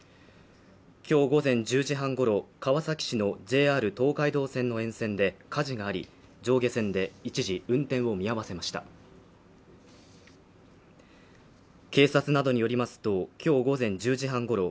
今日午前１０時半ごろ川崎市のＪＲ東海道線の沿線で火事があり上下線で一時運転を見合わせました警察などによりますときょう午前１０時半ごろ